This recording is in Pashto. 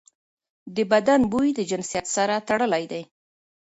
د بدن بوی د جنسیت سره تړلی دی.